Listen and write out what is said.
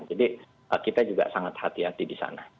jadi kita juga sangat hati hati di sana